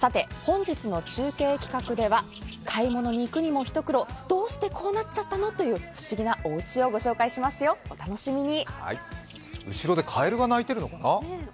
本日の中継企画では買い物にも行くにも一苦労、どうしてこうなっちゃったのという不思議なおうちをご紹介しますよ、お楽しみに。